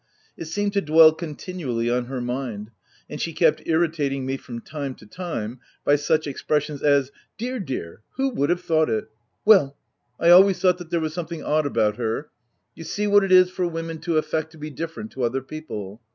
It seemed to dwell continually on her mind, and she kept irritating me from time to time by such expressions as— " Dear, dear, \vho would have thought it !— Well ! I always i 3 178 THE TENANT thought there was something odd about her. — You see what it is for women to affect to be different to other people."